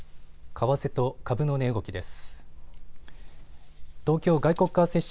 為替と株の値動きです。